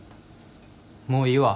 もういいわ。